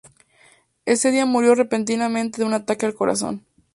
Ese día murió repentinamente de un ataque al corazón.